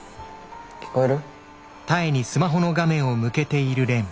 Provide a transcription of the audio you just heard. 聞こえる？